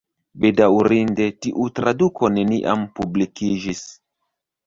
Bedaŭrinde tiu traduko neniam publikiĝis.